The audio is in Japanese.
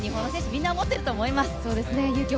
みんな思っていると思います。